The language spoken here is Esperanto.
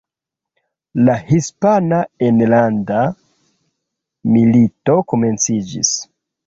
La Hispana Enlanda Milito komenciĝis.